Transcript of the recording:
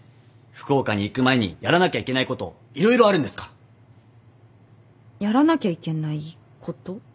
福岡に行く前にやらなきゃいけないこと色々あるんですから。やらなきゃいけないこと？